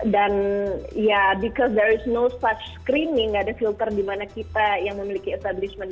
dan ya because there is no such screening nggak ada filter di mana kita yang memiliki establishment